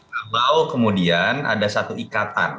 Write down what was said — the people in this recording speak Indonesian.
kalau kemudian ada satu ikatan